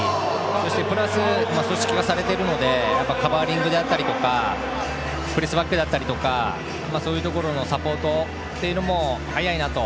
そしてプラス組織化されているのでカバーリングだったりプレスバックだったりそういうところのサポートも早いなと。